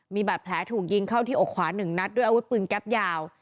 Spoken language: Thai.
มีบาดแผลถูกยิงเข้าที่อกขวา๑นัดด้วยอาวุธปืนแก๊ปยาว